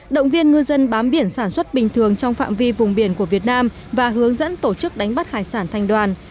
động viên ngư dân bám biển sản xuất bình thường trong phạm vi vùng biển của việt nam và hướng dẫn tổ chức đánh bắt hải sản thanh đoàn